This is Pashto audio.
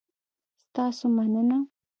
ستاسو مننه؟